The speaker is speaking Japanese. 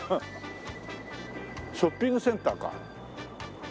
ショッピングセンターか。